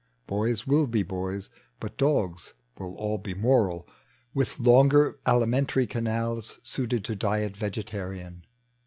Boys will be boya, but dogs will all be moral. With loiter alimentary canals Suited to diet vegetarian.